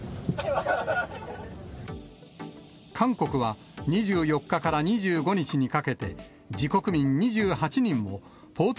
韓国は、２４日から２５日にかけて、自国民２８人をポート